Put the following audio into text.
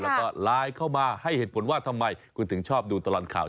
แล้วก็ไลน์เข้ามาให้เหตุผลว่าทำไมคุณถึงชอบดูตลอดข่าว